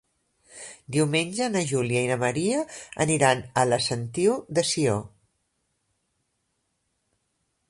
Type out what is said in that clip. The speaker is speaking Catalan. Diumenge na Júlia i na Maria aniran a la Sentiu de Sió.